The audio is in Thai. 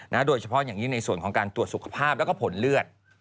โดยเฉพาะอย่างนี้ในส่วนของการตรวจสุขภาพแล้วก็ผลเลือด